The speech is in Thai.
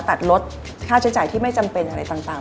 ตัดลดค่าใช้จ่ายที่ไม่จำเป็นอะไรต่าง